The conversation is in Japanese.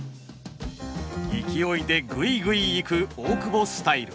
勢いでグイグイいく大久保スタイル。